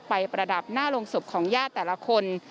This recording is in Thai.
ประดับหน้าโรงศพของญาติแต่ละคน